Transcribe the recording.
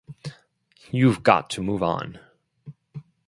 You've got to move on